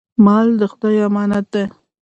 مال د خدای امانت دی.